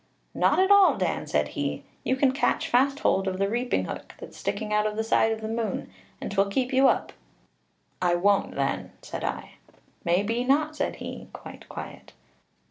'Not at all, Dan,' said he; 'you can catch fast hold of the reaping hook that's sticking out of the side of the moon, and 'twill keep you up.' 'I won't then,' said I. 'May be not,' said he, quite quiet.